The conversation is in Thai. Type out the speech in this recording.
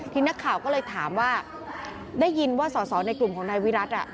นักข่าวก็เลยถามว่าได้ยินว่าสอสอในกลุ่มของนายวิรัติ